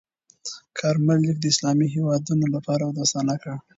کارمل لیک د اسلامي هېوادونو لپاره دوستانه کړ.